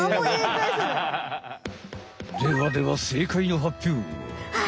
ではでは正解の発表は。